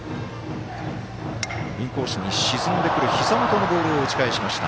インコースに沈んでくるひざ元のボールを打ち返しました。